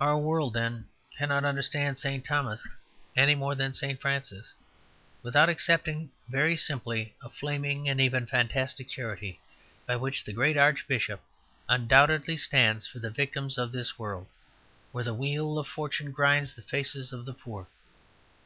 Our world, then, cannot understand St. Thomas, any more than St. Francis, without accepting very simply a flaming and even fantastic charity, by which the great Archbishop undoubtedly stands for the victims of this world, where the wheel of fortune grinds the faces of the poor.